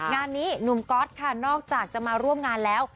งานนี้หนุ่มก๊อตค่ะนอกจากจะมาร่วมงานแล้ว